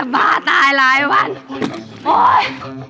จะบ้าตายละไอ้วันโอ๊ย